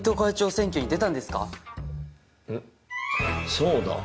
そうだ。